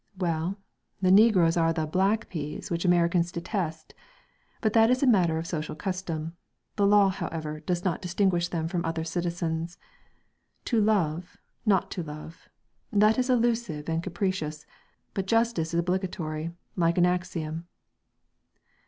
"Well, the negroes are 'the black peas' which Americans detest. But that is a matter of social custom; the law, however, does not distinguish them from other citizens.... To love, not to love ... that is elusive and capricious, but justice is obligatory, like an axiom...."